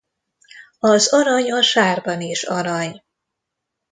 Az arany a sárban is arany.